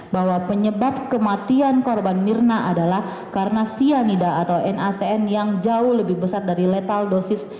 bahwa penyebab kematian korban mirna adalah karena cyanida atau nacn yang jauh lebih besar dari letal dosis